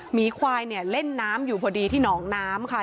หมีควายเนี่ยเล่นน้ำอยู่พอดีที่หนองน้ำค่ะ